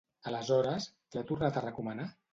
Aleshores, què ha tornat a recomanar?